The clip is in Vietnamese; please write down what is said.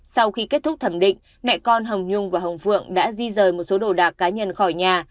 sau khi kết thúc thẩm định mẹ con hồng nhung và hồng phượng đã di rời một số đồ đạc cá nhân khỏi nhà